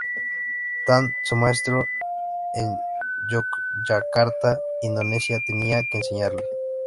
Tan, su maestro en Yogyakarta, Indonesia, tenía que enseñarle.